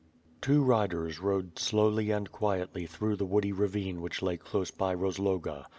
Two riders rode slowly and quietly through the woody ravine which lay close by Rozloga.